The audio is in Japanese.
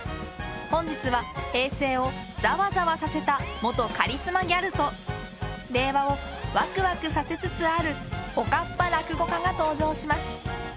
本日は平成をざわざわさせた元カリスマギャルと令和をワクワクさせつつあるおかっぱ落語家が登場します。